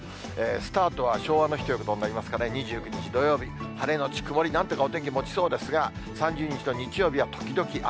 スタートは昭和の日ということになりますかね、２９日土曜日、晴れ後曇り、なんとかお天気もちそうですが、３０日の日曜日は時々雨。